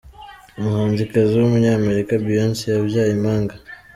Umuhanzikazi w’ Umunyamerika ’Beyonce’ yabyaye impanga.